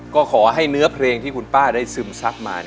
ก็ขอให้เนื้อเพลงที่คุณป้าได้ซึมซับมา